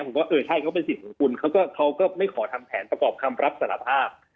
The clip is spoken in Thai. ว่าเออใช่เขาเป็นสิทธิ์ของคุณเขาก็ไม่ขอทำแผนประกอบคำรับสารภาพ